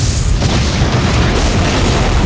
abaikan si om yang politis